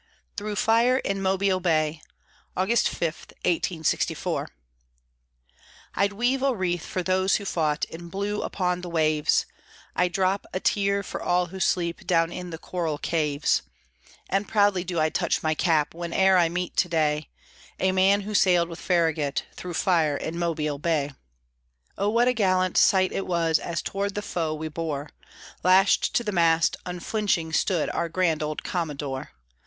THROUGH FIRE IN MOBILE BAY [August 5, 1864] I'd weave a wreath for those who fought In blue upon the waves, I drop a tear for all who sleep Down in the coral caves, And proudly do I touch my cap Whene'er I meet to day A man who sail'd with Farragut Thro' fire in Mobile Bay. Oh, what a gallant sight it was As toward the foe we bore! Lashed to the mast, unflinching, stood Our grand old Commodore.